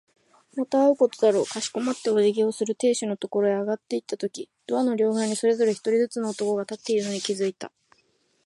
また会うことだろう。かしこまってお辞儀をする亭主のところへ上がっていったとき、ドアの両側にそれぞれ一人ずつの男が立っているのに気づいた。